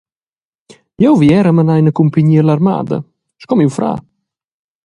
Jeu vi era menar ina cumpignia ell’armada sco miu frar.